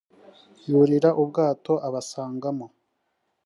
yurira ubwato abasangamo